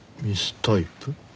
ミスタイプ？